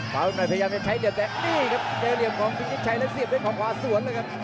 มันพยายามจะใช้เดี๋ยวแต่นี่ครับเดียวเหลี่ยวของพี่ชิคชัยและเสียด้วยของขวาส่วนนะครับ